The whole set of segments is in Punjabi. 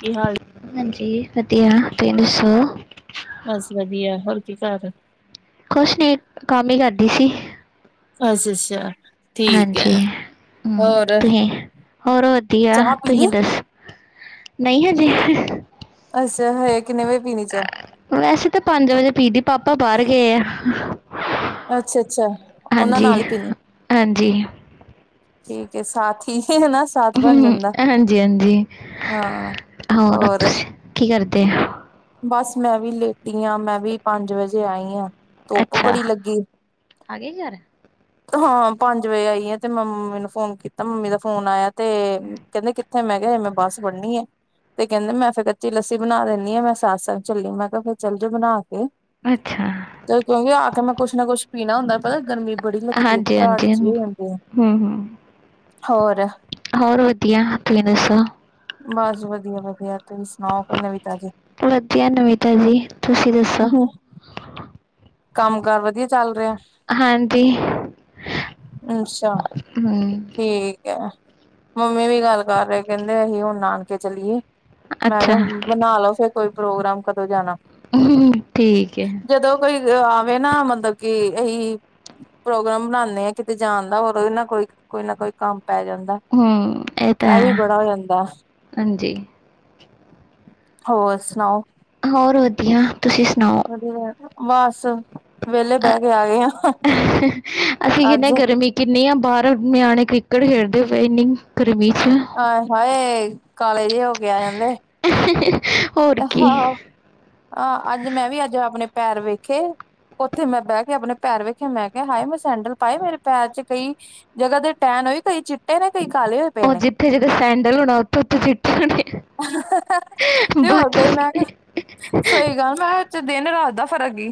ਕੀ ਹਾਲ ਹਾਂਜੀ, ਵਧੀਆ ਤੁਸੀਂ ਦੱਸੋ? ਬਸ, ਵਧੀਆ ਹੋਰ ਕੀ ਕਰ? ਕੁਛ ਨੇ ਕੰਮ ਈ ਕਰਦੀ ਸੀ। ਆ ਸ਼ਸਯਾ। ਹਾਂਜੀ, ਹੂੰ, ਤੁਹੀ ਹੋਰ ਵਧੀਆ। ਚਾਹ ਪੀ ਲਈ ਤੁਸੀਂ ਦੱਸ ਨਹੀਂ ਹਜੇ ਅਸਾ਼ ਹੋਏ, ਕਿੰਨੇ ਵਜੇ ਪੀਣੀ ਚਾਹ? ਵੈਸੇ ਤਾਂ ਪੰਜ ਵਜੇ ਪੀਂਦੀ, ਪਾਪਾ ਬਾਹਰ ਗਏ ਆ ਅੱਛਾ, ਅੱਛਾ, ਉਹਨਾਂ ਹਾਂਜੀ ਨਾਲ ਹੀ ਪੀਣੀ ਹਾਂਜੀ ਠੀਕ ਏ, ਸਾਥੀ ਹੈਨਾ ਸਾਥ। ਬਣ ਹਮ, ਜਾਂਦਾ ਹਾਂਜੀ -ਹਾਂਜੀ ਹਾਂ ਹੋਰ ਤੁਸੀ, ਕੀ ਕਰਦੇ ਹੋ? ਬਸ ਮੈਂ ਵੀ ਲੇਟੀ ਹਾਂ, ਮੈਂ ਵੀ ਪੰਜ ਵਜੇ ਆਈ ਹਾਂ ਧੁੱਪ ਅੱਛਾ ਬੜੀ ਲੱਗੀ ਏ। ਆ ਗਏ ਘਰ ਹਾਂ, ਪੰਜ ਵਜੇ ਆਈ ਆ, ਤੇ ਮੈਂ ਮੰਮੀ ਨੂੰ ਫੋਨ ਕੀਤਾ, ਮੰਮੀ ਦਾ ਫੋਨ ਆਇਆ, ਤੇ ਕਹਿੰਦੇ ਕਿ ਤੇ ਮੈਂ ਕਿਹਾ, ਮੈਂ ਬੱਸ ਬੜ੍ਹਨੀ ਆ, ਤੇ ਕਹਿੰਦੇ, ਮੈਂ ਫਿਰ ਕੱਚੀ ਲੱਸੀ ਬਣਾ ਦਿੰਦੀ ਆ ਮੈਂ ਸਤਸੰਗ ਚੱਲੀ, ਮੈਂ ਕਿਹਾ ਫਿਰ ਚੱਲ ਜਾੳ ਬਣਾ ਕੇ ਅੱਛਾ ਤੇ ਕਿਉਂਕਿ, ਆ ਕੇ ਮੈਂ ਕੁਛ ਨਾ ਕੁਛ ਪੀਣਾ ਹੁੰਦਾ, ਪਤਾ ਗਰਮੀ ਬੜੀ ਲੱਗਦੀ ਹੈ ਹਾਂਜੀ ਹਾਂਜੀ ਘਬਰਾਹਟ ਹਮ ਹੋ ਜਾਂਦੇ ਆ, ਹਮ ਹੋਰ ਹੋਰ ਵਧੀਆ, ਤੁਸੀਂ ਦੱਸੋ ਬਸ ਵਧੀਆ-ਵਧੀਆ। ਤੁਸੀਂ ਸੁਣਾਓ, ਕੋਈ ਨਵੀ ਤਾਜ਼ੀ। ਵਧੀਆ ਨਵੀ ਤਾਜੀ, ਤੁਸੀਂ ਦੱਸੋ ਹੋ ਕੰਮ ਕਾਰ ਵਧੀਆ ਚੱਲ ਰਿਹਾ ਹਾਂਜੀ ਅੱਛਾ, ਹੂੰ। ਠੀਕ ਮੰਮੀ ਵੀ ਤੁਸੀਂ ਗੱਲ ਕਰ ਰਹੇ ਕਹਿੰਦੇ ਅਹੀ ਹੁਣ ਨਾਨਕੇ ਚਲੀਏ। ਮੈਂ ਅੱਛਾ, ਕਿਹਾ ਬਣਾ ਲਓ ਫੇਰ ਕੋਈ ਪ੍ਰੋਗਰਾਮ, ਕਦੋਂ ਜਾਣਾ। ਠੀਕ ਹੈ ਯ ਆਵੇ ਨਾ ਮਤਲਬ ਕਿ, ਅਹੀ ਪ੍ਰੋਗਰਾਮ ਬਣਾਉਂਦੇ ਆ ਕਿਤੇ ਜਾਣ ਦਾ, ਹੋਰ ਉਹਦੇ ਨਾਲ ਕੋਈ ਕੋਈ ਨਾ ਕੋਈ ਕੰਮ ਪੈ ਜਾਂਦਾ ਹਮ, ਇਹ ਤੇ ਵੀ ਹੈ, ਬੜਾ ਹੋ ਜਾਂਦਾ ਹਾਂਜੀ ਹੋਰ ਸੁਣਾਓ ਹੋਰ ਵਧੀਆ, ਤੁਸੀਂ ਸੁਣਾਓ? ਬਸ ਵਿਹਲੇ ਬਹਿ ਕੇ ਆ ਗਏ ਆ, ਅੱਜ ਕਿੰਨੀਆਂ ਬਾਹਰ ਨਿਆਣੇ ਕ੍ਰਿਕੇਟ ਖੇਡਦੇ ਪਏ ਇੰਨੀ, ਗਰਮੀ 'ਚ। ਆਏ-ਹਾਏ, ਕਾਲੇ ਜੇ ਹੋ ਕੇ ਆ ਜਾਂਦੇ। [inaudible] ਆਹੋ ਹਹ, ਅੱਜ ਮੈਂ ਵੀ, ਅੱਜ ਆਪਣੇ ਪੈਰ ਵੇਖੇ ਉੱਥੇ ਮੈਂ ਬਹਿ ਕੇ ਆਪਣੇ ਪੈਰ ਵੇਖੇ, ਮੈਂ ਕਿਹਾ ਹਾਏ ਮੈਂ ਸੈਂਡਲ ਪਾਏ ਮੇਰੇ ਪੈਰ 'ਚ ਕਈ ਜਗ੍ਹਾ ਦੇ ਟੈਣ ਹੋਈ, ਕਈ ਚਿੱਟੇ ਨੇ, ਕਈ ਕਾਲੇ ਹੋਏ। ਪਏ ਅਹ ਨੇ ਜਿੱਥੇ -ਜਿੱਥੇ ਸੈਂਡਲ ਹੋਣਾ, ਓਥੇ -ਓਥੇ ਚਿੱਠੇ ਹੋਣੇ। ਤੇ ਹੋਰ ਬਾਕੀ ਕੋਈ ਮੈਂ ਕੇ ਹਾਂਜੀ ਸਹੀ ਗੱਲ, ਮੈਂ ਇਚ ਦਿਨ-ਰਾਤ ਦਾ ਫਰਕ ਈ।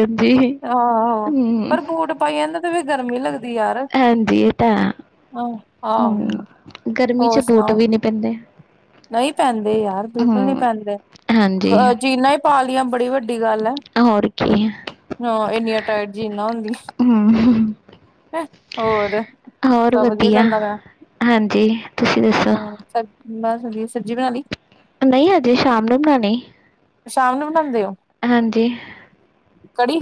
ਹਾਂਜੀ ਆਹੋ, ਹੂੰ ਪਰ ਬੂਟ ਪਾਈ ਆ ਨਾ ਤੇ ਫੇਰ ਗਰਮੀ ਲੱਗਦੀ ਯਾਰ ਹਾਂਜੀ, ਏ ਤਾਂ ਹੈ। ਆਹ ਆਹੋ ਹੂੰ, ਗਰਮੀ ਹੋਰ 'ਚ ਬੂਟ ਸੁਣਾਓ ਵੀ ਨੀ ਪੈਂਦੇ। ਨਹੀਂ ਪੈਂਦੇ ਯਾਰ, ਬਿਲਕੁਲ ਨੀ ਹੂੰ ਪੈਂਦੇ। ਹਾਂਜੀ ਕਅ, ਜੀਨਾਂ ਈ ਪਾ ਲਈਆ, ਬੜੀ ਵੱਡੀ ਗੱਲ ਐ। ਹੋਰ ਕੀ ਹਾਂ, ਇੰਨੀਆਂ ਟਾਈਟ ਜੀਨਾ ਹੁੰਦੀਆ। ਹਮ ਹੋਰ, ਸਭ ਵਧੀਆ ਚਲਦਾ ਪਿਆ, ਹਾਂਜੀ ਤੁਸੀਂ ਦੱਸੋ ਹਮ ਬਸ ਵਧੀਆ, ਸਬਜੀ ਬਣਾ ਲਈ? ਨਹੀਂ, ਅਜੇ ਸ਼ਾਮ ਨੂੰ ਬਣਾਉਣੀ ਸ਼ਾਮ ਨੂੰ ਬਣਾਉਂਦੇ ਹੋ ਹਾਂਜੀ ਕੜੀ।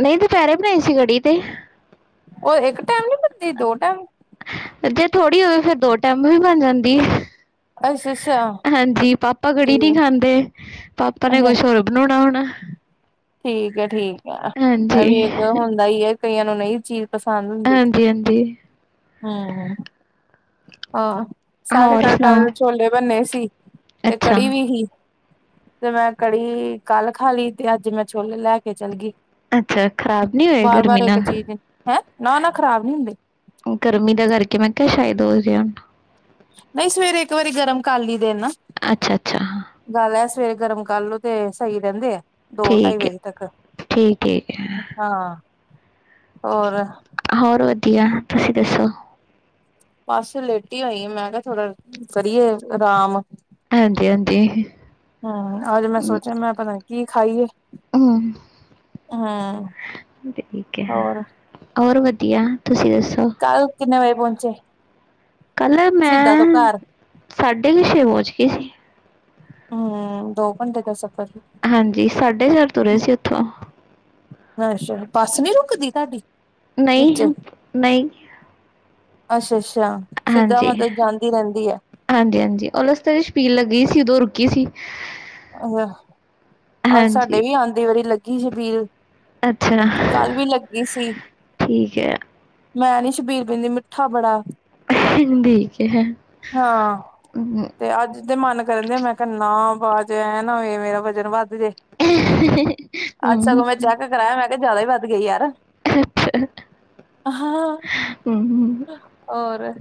ਨਹੀਂ ਦੁਪਹਿਰੇ ਬਣਾਈ ਸੀ ਕੜੀ ਤੇ। ਉਹ ਇੱਕ ਟਾਈਮ ਨੀ ਬਣਦੀ, ਦੋ ਟਾਈਮ ਜੇ ਥੋੜੀ ਹੋਵੇ, ਫੇਰ ਦੋ ਟਾਈਮ ਵੀ ਬਣ ਜਾਂਦੀ ਏ। ਅੱਛਾ ਅੱਛਾ ਹਾਂਜੀ, ਪਾਪਾ ਕੜੀ ਨੀ ਠੀਕ ਖਾਂਦੇ ਪਾਪਾ ਨੇ ਅੱਛਾ ਕੁਛ ਹੋਰ ਬਣੌਣਾ ਹੋਣੈ। ਠੀਕ ਹੈ ਠੀਕ ਹੈ, ਹਾਂਜੀ ਐਵੀ ਇੱਕ ਹੋੰਦਾ ਈ ਏ ਕਈਆਂ ਨੂੰ ਨਹੀਂ ਚੀਜ਼ ਪਸੰਦ ਹੁੰਦੀ, ਹਾਂਜੀ ਹਾਂਜੀ ਹੂੰ ਹਾਂ। ਸਾਡੇ ਹੋਰ ਘਰ ਸੁਣਾਓ ਕੱਲ ਛੋਲੇ ਬੰਨੇ ਸੀ ਤੇ ਅੱਛਾ ਕੜੀ ਵੀ ਸੀ ਤੇ ਮੈਂ ਕੜੀ ਕੱਲ੍ਹ ਖਾ ਲੀ ਤੇ ਅੱਜ ਮੈਂ ਛੋਲੇ ਲੈ ਕੇ ਚੱਲ ਗੀ। ਅੱਛਾ ਖ਼ਰਾਬ ਨਹੀਂ ਹੋਏ ਗਰਮੀ ਬਾਰ-ਬਾਰ ਏਕ ਨਾਲ ਚੀਜ਼ ਹੈਂ, ਨਾ-ਨਾ ਖ਼ਰਾਬ ਨੁ ਹੁੰਦੇ। ਗਰਮੀ ਦਾ ਕਰਕੇ ਮੈਂ ਕਿਹਾ ਸ਼ਾਇਦ ਹੋ ਗਿਆ ਹੁਣ ਨਹੀਂ ਸਵੇਰੇ ਇੱਕ ਵਾਰੀ ਗਰਮ ਕਰਲੀ ਦੇ ਨਾ। ਅੱਛਾ ਅੱਛਾ। ਗੱਲ ਹੈ ਸਵੇਰੇ ਗਰਮ ਕਰ ਲੋ ਤੇ ਸਹੀ ਰਹਿੰਦੇ ਆ ਦੋ ਢਾਈ ਠੀਕ ਹੈ ਵਜੇ ਤੱਕ, ਠੀਕ ਠੀਕ ਹੈ ਹਾਂ ਹੋਰ ਹੋਰ ਵਧੀਆ, ਤੁਸੀਂ ਦੱਸੋ? ਬੱਸ ਲੇਟੀ ਹੋਈ ਆ ਮੈਂ ਕਿਆ ਥੋੜਾ, ਕਰੀਏ ਆਰਾਮ। ਹਾਂਜੀ ਹਾਂਜੀ। ਹਮ ਅੱਜ ਮੈਂ ਹਮ ਸੋਚਿਆ ਮੈਂ ਪਤਾ ਕੀ ਖਾਈਏ- ਹਮ ਹੂੰ, ਠੀਕ ਹੈ ਹੋਰ। ਹੋਰ ਵਧੀਆ, ਤੁਸੀਂ ਦੱਸੋ? ਕੱਲ ਕਿੰਨੇ ਵਜੇ ਪੋੰਚੇ? ਕੱਲ੍ਹ ਮੈਂ ਸਾਢੇ ਕੁ ਛੇ ਪਹੁੰਚ ਗਈ ਸੀ। ਹੂੰ, ਦੋ ਘੰਟੇ ਦਾ ਸਫਰ। ਹਾਂਜੀ ਸਾਢੇ ਚਾਰ ਤੁਰੇ ਸੀ ਉੱਥੋਂ, ਅੱਛਾ- ਬੱਸ ਨਹੀਂ ਰੁਕਦੀ ਤੁਹਾਡੀ ਵਿੱਚ ਨਹੀਂ ਨਹੀਂ। ਅੱਛਾ ਅੱਛਾ, ਸਿੱਧਾ ਹਾਂਜੀ ਮਤਲਬ ਜਾਂਦੀ ਰਹਿੰਦੀ ਏ। ਹਾਂਜੀ ਹਾਂਜੀ [unintelligible] ਸ਼ਬੀਲ ਲੱਗੀ ਸੀ ਉਦੋਂ ਰੁਕੀ ਸੀ। ਅ ਅੱਜ ਹਾਂਜੀ ਸਾਡੇ ਵੀ ਆਉਂਦੀ ਵਾਰੀ ਲੱਗੀ ਛਬੀਲ ਅੱਛਾ ਕੱਲ ਵੀ ਲੱਗੀ ਸੀ। ਠੀਕ ਹੈ ਮੈਂ ਨੀ ਛਬੀਲ ਪੀਂਦੀ, ਮਿੱਠਾ ਬੜਾ ਠੀਕ ੲੈ। ਹਾਂ, ਤੇ ਅੱਜ ਤੇ ਮਨ ਕਰਨ ਦ ਮੈਂ ਕਿਹਾ ਬਾਅਦ ਚ ਐ ਨਾ ਹੋਵੇ, ਮੇਰਾ ਵਜਨ ਵੱਧ ਜੇ ਅੱਜ ਸਗੋਂ ਮੈਂ ਹਮ ਚੈੱਕ ਕਰਾਇਆ ਮੈਂ ਕਿਹਾ ਜਿਆਦਾ ਵੀ ਵੱਧ ਗਿਆ, ਯਾਰ ਅੱਛਾ। ਹਾਂ, ਹਮ ਹੋਰ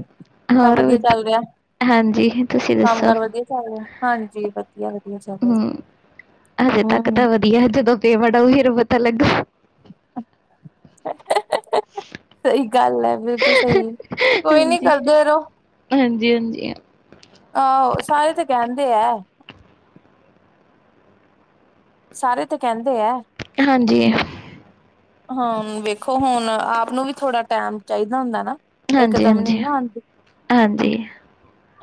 ਸਭ ਹੋਰ ਵਧੀਆ ਵਧ ਚੱਲ ਰਿਹਾ, ਹਾਂਜੀ, ਤੁਸੀਂ ਕੰਮ ਦੱਸੋ? ਕਾਰ ਵਧੀਆ ਚੱਲ ਰਿਹਾ -ਹਾਂਜੀ ਵਧੀਆ ਵ ਹੂੰ, ਹਜੇ ਤੱਕ ਹਮ ਤਾਂ ਵਧੀਆ ਏ ਜਦੋਂ ਪੇਮੈਂਟ ਆਊ ਫੇਰ ਪਤਾ ਲੱਗੁ। [inaudible] ਸਹੀ ਗੱਲ ੲੈ ਬਿਲਕੁਲ ਸਹੀ, ਕੋਈ ਨੀ ਕਰਦੇ ਰਹੋ। ਹਾਂਜੀ ਹਾਂਜੀ। ਆਹੋ ਸਾਰੇ ਤੇ ਕਹਿੰਦੇ ੲੈ। ਸਾਰੇ ਤੇ ਕਹਿੰਦੇ ੲੈ। ਹਾਂਜੀ। ਹਾਂ ਵੇਖੋ ਹੁਣ, ਆਪ ਨੂੰ ਵੀ ਥੋੜਾ ਟੈਮ ਚਾਹੀਦਾ ਹੁੰਦਾ ਨਾ। ਇਕ ਦਮ ਨੀ ਹਾਂਜੀ-ਹਾਂਜੀ। ਨਾ ਆਉਂਦੀ, ਹਾਂਜੀ,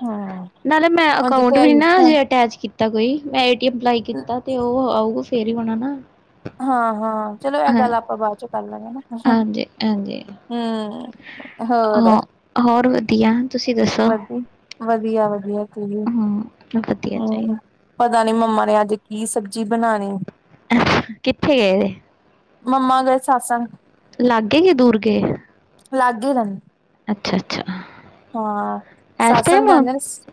ਹੂੰ ਨਾਲੇ ਮੈਂ ਅਕਾਊਂਟ ਵੀ ਨ ਨਾ ਹਜੇ ਅਟੈਚ ਕੀਤਾ ਕੋਈ, ਮੈਂ ਏਟੀਮ ਅਪਲਾਈ ਕੀਤਾ ਤੇ ਉਹ ਆਊਗਾ ਤੇ ਫੇਰ ਹੀ ਹੋਣਾ ਨਾ, ਹਾਂ ਹਾਂ, ਚਲੋ ਇਹ ਹਾਂ, ਗੱਲ ਆਪਾਂ ਬਾਅਦ 'ਚ ਕਰ ਲਾਂਗੇ ਨਾ ਹਾਂਜੀ-ਹਾਂਜੀ। ਹੂੰ ਹੋਰ ਹਾਂ, ਹੋਰ ਵਧੀਆ ਤੁਸੀਂ ਦੱਸੋ? ਵਧੀ ਵਧੀਆ ਵਧੀਆ ਕੀ, ਹੂੰ, ਵਧੀਆ ਹਮ ਪਤਾ ਨੀ ਮੰਮਾ ਨੇ ਅੱਜ ਕੀ ਸਬਜ਼ੀ ਬਣਾਣੀ ਕਿੱਥੇ ਗਏ ਦੇ? ਮੰਮਾ ਗਏ ਸਤਿਸੰਗ। ਲਾਗੇ ਕੇ ਦੂਰ ਗਏ? ਲਾਗੇ ਹੀ ਰਹਿੰਦੇ, ਅੱਛਾ-ਅੱਛਾ, ਹਾਂ ਇਸ ਸਤਿਸੰਗ ਟਾਈਮ ਜਾਂਦੇ ਨੇ।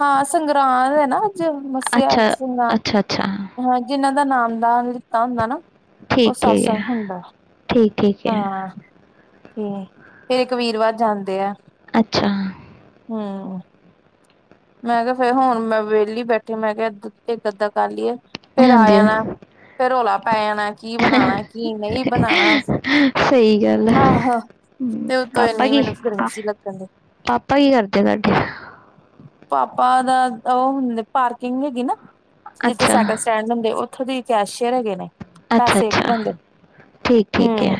ਹਾਂ ਸੰਗਰਾਂਦ ਏ ਨਾ ਅੱਜ, ਮੱਸਿਆ, ਅੱਛਾ ਸੰਗਰਾਂਦ ਅੱਛਾ ਅੱਛਾ ਹਾਂ ਜਿਹਨਾਂ ਦਾ ਨਾਮ ਨਾਲ ਲਿੱਤਾ ਹੁੰਦਾ ਨਾ। ਉਹ ਠੀਕ ਠੀਕ ਸਤਿਸੰਗ ਹੈ ਹੁੰਦਾ। ਠੀਕ ਠੀਕ ਹੈ ਹਾਂ ਹੂੰ ਹਰੇਕ ਵੀਰਵਾਰ ਜਾਂਦੇ ਆ। ਅੱਛਾ ਹੂੰ ਮੈਂ ਕਿਹਾ ਫੇਰ ਹੁਣ ਮੈਂ ਵਿਹਲੀ ਬੈਠੀ ਆਂ ਮੈਂ ਕਿਹਾ ਇਕ ਅੱਧਾ ਕਰ ਲਈਏ। ਹਾਂਜੀ ਹਾਂ ਫਿਰ ਰੌਲਾ ਪੈ ਜਾਣਾ ਕੀ ਬਣਾਣਾ ਕੀ ਨਹੀਂ ਬਣਾਣਾ, ਸਹੀ ਗੱਲ ਹੈ ਆਹੋ। ਹਮ, ਤੇ ਉਤੋਂ ਪਾਪਾ ਇੰਨੀ ਕੀ ਮੈਨੂੰ ਗਰਮੀ ਜੀ ਲੱਗਣ ਦਈ। ਪਾਪਾ ਕੀ ਕਰਦੇ ਤੁਹਾਡੇ? ਪਾਪਾ ਦਾ ਉਹ ਹੁੰਦੇ ਪਾਰਕਿੰਗ ਹੈਗੀ ਨਾ, ਜਿੱਥੇ ਅੱਛਾ ਸੈਕਲ ਸਟੈਂਡ ਹੁੰਦੇ ਉੱਥੋਂ ਦੀ ਕੈਸ਼ੀਅਰ ਹੈਗੇ ਨੇ, ਅੱਛਾ ਪੈਸੇ ਅੱਛਾ ਲੈਂਦੇ। ਠੀਕ ਠੀਕ ਹੈ ਹੂੰ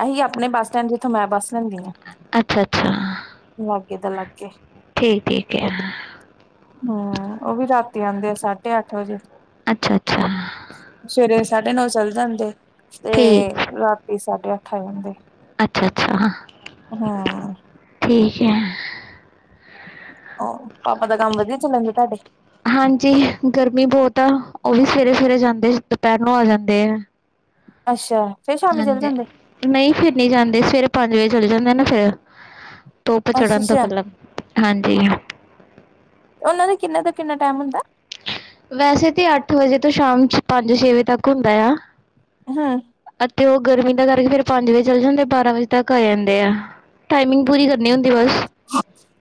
ਇਹੀ ਆਪਣੇ ਬੱਸ ਸਟੈਂਡ ਜਿੱਥੋਂ ਮੈਂ ਬੱਸ ਲੈਂਦੀ ਆਂ। ਅੱਛਾ-ਅੱਛਾ, ਦਾ ਲਾਗੇ ਠੀਕ ਠੀਕ ਆ। ਹੂੰ ਉਹ ਵੀ ਰਾਤੀ ਆਂਦੇ ਆ ਸਾਢੇ ਅੱਠ ਵਜੇ। ਅੱਛਾ-ਅੱਛਾ। ਸਵੇਰੇ ਸਾਢੇ ਨੌ ਚੱਲ ਜਾਂਦੇ, ਤੇ ਠੀਕ ਰਾਤੀ ਸਾਢੇ ਅੱਠ ਆ ਜਾਂਦੇ। ਅੱਛਾ-ਅੱਛਾ ਹਾਂ, ਹਮ ਠੀਕ ਹੈ। ਔਹ ਪਾਪਾ ਦਾ ਕੰਮ ਵਧੀਆ ਚੱਲਨ ਦਿਆ ਤੁਹਾਡੇ? ਹਾਂਜੀ ਗਰਮੀ ਬਹੁਤ ਆ ਉਹ ਵੀ ਸਵੇਰੇ-ਸਵੇਰੇ ਜਾਂਦੇ ਦੁਪਹਿਰ ਨੂੰ ਆ ਜਾਂਦੇ ਆ। ਅੱਛਾ ਫੇਰ ਸ਼ਾਮੀ ਚੱਲ ਆਂਦੇ, ਜਾਂਦੇ ਨਹੀਂ ਫਿਰ ਨਹੀ ਜਾਂਦੇ ਸਵੇਰੇ ਪੰਜ ਵਜੇ ਚਲੇ ਜਾਂਦੇ ਨਾ ਫੇਰ। ਧੁੱਪ ਚੜਨ ਤੋਂ ਅੱਛਾ-ਅੱਛਾ ਪਹਿਲਾਂ, ਹਾਂਜੀ। ਉਹਨਾਂ ਦਾ ਕਿੰਨਾ ਤੋਂ ਕਿੰਨਾ ਟਾਈਮ ਹੁੰਦਾ? ਵੈਸੇ ਤੇ ਅੱਠ ਵਜੇ ਤੋਂ ਸ਼ਾਮ ਪੰਜ-ਛੇ ਵਜੇ ਤੱਕ ਹੁੰਦਾ ਆ। ਹੂੰ ਅਤੇ ਉਹ ਗਰਮੀ ਦਾ ਕਰਕੇ ਫੇਰ ਪੰਜ ਵਜੇ ਚੱਲ ਜਾਂਦੇ, ਫਿਰ ਬਾਰਾਂ ਵਜੇ ਤੱਕ ਆ ਜਾਂਦੇ ਆ। ਟਾਈਮਿੰਗ ਪੂਰੀ ਕਰਨੀ ਹੁੰਦੀ ਬਸ।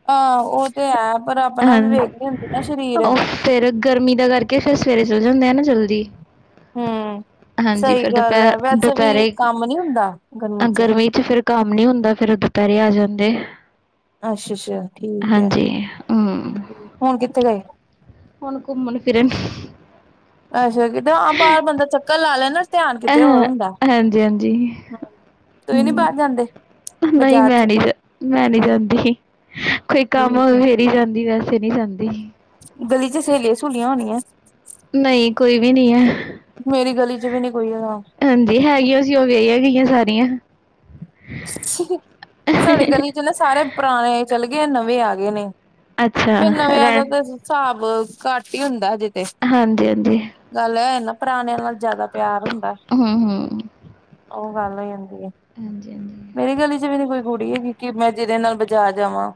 ਹਾਂ ਉਹ ਤੇ ਹੈ ਪਰ ਆਪਣਾ ਹਾਂ ਵੀ ਵੇਖਦੇ ਹੁੰਦੇ ਨਾ ਸਰੀਰ। ਉਹ ਫਿਰ ਗਰਮੀ ਦਾ ਕਰਕੇ ਫਿਰ ਸਵੇਰੇ ਚੱਲ ਜਾਂਦੇ ਆ ਨਾ ਜਲਦੀ। ਹੂੰ ਹਾਂਜੀ ਸਹੀ ਫਿਰ ਗੱਲ ਦੁਪਹਿਰ ਹੈ ਵੈਸੇ ਵੀ ਦੁਪਹਿਰੇ, ਕੰਮ ਨੀ ਹੁੰਦਾ ਗਰਮੀ ਚ ਫਿਰ ਕੰਮ ਨੀ ਹੁੰਦਾ ਫਿਰ ਦੁਪਹਿਰੇ ਆ ਜਾਂਦੇ। ਅੱਛਾ-ਅੱਛਾ ਠੀਕ ਹੈ ਹਾਂਜੀ ਹੂੰ ਹੁਣ ਕਿੱਥੇ ਗਏ? ਹੁਣ ਘੁੰਮਣ-ਫਿਰਨ। ਅੱਛਾ ਕਿਤੇ ਹਾਂ ਬਾਹਰ ਬੰਦਾ ਚੱਕਰ ਲਾ ਲੈਦਾ ਧਿਆਨ ਕਿਤੇ ਹੋਰ ਅਹ ਹੁੰਦਾ। ਹਾਂਜੀ ਹਾਂਜੀ ਤੁੂੰਂ ਹੀ ਨੀ ਹੂੰ ਬਾਹਰ ਜਾਂਦੇ, ਨਹੀਂ ਬਾਜ਼ਾਰ ਮੈਂ ਚ? ਨਹੀਂ ਮੈਂ ਨੀ ਜਾਂਦੀ, ਕੋਈ ਕੰਮ ਠੀਕ ਹੋਓ ਹੈ ਫੇਰ ਹੀ ਜਾਂਦੀ ਵੈਸੇ ਨੀ ਜਾਂਦੀ। ਗਲੀ 'ਚ ਸਹੇਲੀਆਂ-ਸੂਲੀਆਂ ਹੋਣੀਆਂ। ਨਹੀਂ ਕੋਈ ਵੀ ਨਹੀਂ ਏ। ਮੇਰੀ ਗਲੀ ਚ ਵੀ ਨੀ ਕੋਈ ਹੈਗਾ। ਹਾਂਜੀ ਹੈਗੀਆਂ ਸੀ ਉਹ ਵਿਆਹੀਆਂ ਗਈਆਂ ਸਾਰੀਆਂ। [unintelligible] ਸਾਡੀ ਗਲੀ 'ਚ ਨਾ ਸਾਰੇ ਪੁਰਾਣੇ ਚਲੇ ਗਏ ਨੇ ਨਵੇਂ ਆ ਗਏ ਨੇ। ਅੱਛਾ ਫੇਰ ਨਵਿਆਂ ਦਾ ਰਹਿਣ ਤੇ ਹਿਸਾਬ ਘੱਟ ਹੀ ਹੁੰਦਾ ਹਜੇ ਤੇ। ਹਾਂਜੀ ਹਾਂਜੀ ਗੱਲ ਐ ਨਾ ਪੁਰਾਣਿਆਂ ਨਾਲ ਜਿਆਦਾ ਪਿਆਰ ਹੁੰਦਾ। ਹੂੰ ਹੂੰ ਉਹ ਗੱਲ ਹੋ ਜਾਂਦੀ ਹੈ। ਹਾਂਜੀ ਹਾਂਜੀ, ਮੇਰੀ ਗਲੀ ਚ ਵੀ ਨੀ ਕੋਈ ਕੁੜੀ ਹੈਗੀ ਕਿ ਮੈਂ ਜਿਹਦੇ ਨਾਲ ਬਜਾਰ ਜਾਵਾਂ।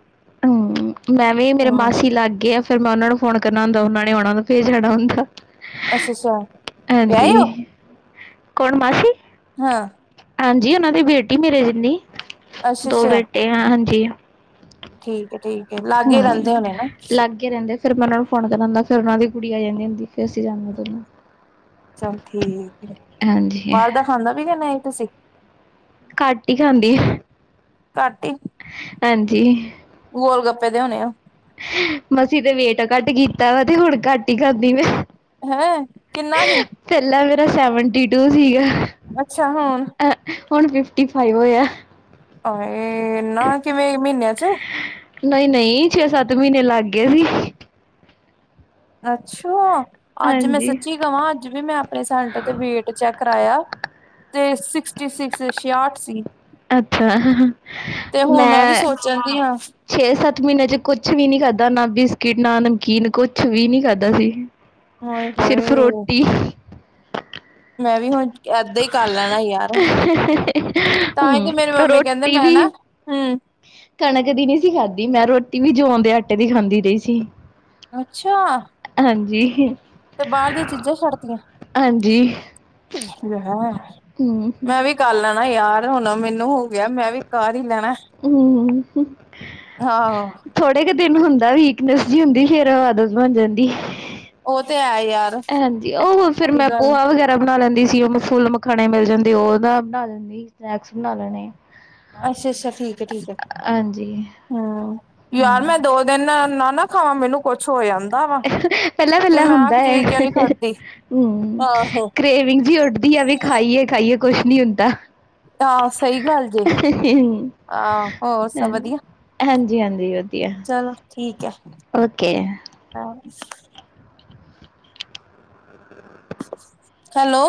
ਹੂੰ ਮੈਂ ਵੀ ਮੇਰੇ ਹਮ ਮਾਸੀ ਲਾਗੇ ਆ ਫੇਰ ਮੈਂ ਉਹਨਾਂ ਨੂੰ ਫੋਨ ਕਰਨਾ ਹੁੰਦਾ ਉਹਨਾਂ ਨੇ ਉਹਨਾਂ ਨੂੰ ਫੇਰ ਜਾਣਾ ਹੁੰਦਾ। ਅੱਛਾ ਅੱਛਾ ਵਿਆਹੇ ਹੋ ਹਾਂਜੀ ਕੌਣ ਮਾਸੀ ਹਾਂ ਹਾਂਜੀ ਉਹਨਾਂ ਦੀ ਬੇਟੀ ਮੇਰੇ ਜਿੰਨੀ। ਅੱਛਾ ਦੋ ਅੱਛਾ, ਬੇਟੇ ਆ ਹਾਂਜੀ ਠੀਕ ਏ ਠੀਕ ਏ, ਲਾਗੇ ਹੂੰ, ਰਹਿੰਦੇ ਹੋਣੇ ਨਾ। ਲਾਗੇ ਰਹਿੰਦੇ ਫਿਰ ਮੈਂ ਉਹਨਾਂ ਫੋਨ ਕਰਨਾ ਹੁੰਦਾ ਫਿਰ ਉਹਨਾਂ ਦੀ ਕੁੜੀ ਆ ਜਾਂਦੀ ਹੁੰਦੀ ਫੇਰ ਅਸੀਂ ਜਾਂਦੇ ਆ ਦੋਨੋ। ਚਲ ਠੀਕ ਏ, ਹਾਂਜੀ। ਬਾਹਰ ਦਾ ਖਾਂਦਾ ਵੀ ਕਿ ਨਹੀਂ ਤੁਸੀਂ। ਘੱਟ ਹੀ ਖਾਂਦੀ ਆ ਹਾਂਜੀ। ਗੋਲਗੱਪੇ ਦੇ ਹੋਣੇ ਆ। ਮਸੀ ਤੇ ਵੇਟ ਘੱਟ ਕੀਤਾ ਵਾ ਤੇ ਹੁਣ ਘੱਟ ਹੀ ਖਾਂਦੀ ਮੈਂ ਹੈਂ ਕਿਨਾ ਸੀ। ਪਹਿਲਾ ਮੇਰਾ ਸੈਵਨਟੀ ਟੂ ਸੀਗਾ। ਅੱਛਾ ਹਾਂ। ਹੁਣ ਫਿਫਟੀ ਫਾਈਵ ਹੋਇਆ। ਇਹ ਨਾ ਕਿਵੇਂ ਮਹੀਨਿਆਂ ਚ। ਨਹੀਂ ਨਹੀਂ ਛੇ ਸੱਤ ਮਹੀਨੇ ਲੱਗ ਗਏ ਸੀ। ਅੱਛਾ ਅੱਜ ਮੈਂ ਹਾਂਜੀ। ਸੱਚੀ ਕਵਾਂ ਅੱਜ ਵੀ ਮੈਂ ਆਪਣੇ ਸੈਂਟਰ ਤੇ ਵੇਟ ਚੈੱਕ ਕਰਾਇਆ। ਤੇ ਸਿਕਸਟੀ ਸਿਕਸ, ਛਿਆਹਠ ਸੀ। ਅੱਛਾ ਤੇ ਹੁਣ ਵੀ ਮੈਂ ਸੋਚਣ ਦੀ ਹਾਂ ਛੇ ਸੱਤ ਮਹੀਨਿਆਂ ਚ ਕੁੱਛ ਵੀ ਨੀ ਖਾਧਾ ਨਾ ਬਿਸਕਿਟ ਨਾ ਨਮਕੀਨ ਕੁਛ ਵੀ ਨੀ ਖਾਧਾ ਸੀ। ਹਾਏ ਸਿਰਫ ਹੋਏ ਰੋਟੀ ਮੈਂ ਵੀ ਹੁਣ ਏਦਾਂ ਹੀ ਕਰ ਲੈਣਾ ਯਾਰ ਤਾਂ ਹੀ ਹੂੰ, ਤੇ ਮੇਰੀ ਮੰਮੀ ਕਹਿੰਦੇ ਰੋਟੀ ਮੈਂ ਵੀ ਨਾ ਹੂੰ। ਕਣਕ ਦੀ ਨਹੀਂ ਸੀ ਖਾਧੀ ਮੈਂ ਰੋਟੀ ਵੀ ਜੋਆ ਦੇ ਆਟੇ ਦੀ ਖਾਂਦੀ ਰਹੀ ਸੀ। ਅੱਛਾ, ਹਾਂਜੀ। ਤੇ ਬਾਹਰ ਦੀਆਂ ਚੀਜ਼ਾਂ ਛੱਡਦੀਆਂ। ਹਾਂਜੀ ਹੂੰ, ਕਰ ਲੈਣਾ ਯਾਰ ਹੁਣ ਮੈਨੂੰ ਹੋ ਗਿਆ ਮੈਂ ਵੀ ਕਰ ਹੀ ਲੈਣਾ। ਹੂੰ, ਆਹੋ ਥੋੜੇ ਕੁ ਦਿਨ ਹੁੰਦਾ ਵੀਕਨੈਸ ਜੀ ਹੁੰਦੀ ਫੇਰ ਆਦਤ ਬਣ ਜਾਂਦੀ। ਉਹ ਤੇ ਹੈ ਯਾਰ। ਹਾਂਜੀ ਉਹ ਫਿਰ ਸਹੀ ਮੈਂ ਗੱਲ ਭੋਆ ਵਗੈਰਾ। ਬਣਾ ਲੈਂਦੀ ਸੀ ਉਹ ਫੁੱਲ ਮਖਾਣੇ ਮਿਲ ਜਾਂਦੇ ਉਹਦਾ ਬਣਾ ਲੈਂਦੀ ਸੀ ਸਨੈਕਸ ਬਣਾ ਲੈਣੇ। ਅੱਛਾ ਅੱਛਾ ਠੀਕ ਹੈ ਠੀਕ ਹੈ ਹਾਂਜੀ, ਹੂੰ ਯਾਰ ਹੂੰ ਮੈਂ ਦੋ ਦਿਨ ਨਾ ਨਾ ਖਾਵਾਂ ਮੈਨੂੰ ਕੁੱਛ ਹੋ ਜਾਂਦਾ ਵਾ। ਪਹਿਲਾ ਕਿ ਪਹਿਲਾ ਮੈਂ ਹੁੰਦਾ ਪਨੀਰ ਕਿਉਂ ਨੀ ਖਾਧੀ। ਹੂ, ਆਹੋ। ਬੇਵਿੰਗ ਜੀ ਉੱਡਦੀ ਆ ਵੀ ਖਾਈਏ ਖਾਈਏ ਕੁੱਛ ਨੀ ਹੁੰਦਾ ਆਹ ਸਹੀ ਗੱਲ ਜੇ ਆਹ ਹੋਰ ਸਭ ਵਧੀਆ। ਹਾਂ- ਹਾਂਜੀ ਹਾਂਜੀ ਵਧੀਆ। ਚਲੋ ਓਕੇ ਹਾਂ, ਹੈਲੋ,